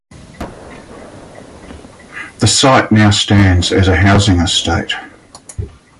The site now stands as a housing estate.